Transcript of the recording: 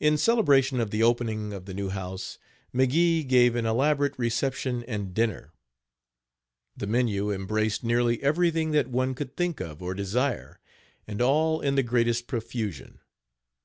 In celebration of the opening of the new house, McGee gave an elaborate reception and dinner. The menu embraced nearly everything that one could think of or desire, and all in the greatest profusion.